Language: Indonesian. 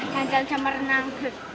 jalan jalan sama renang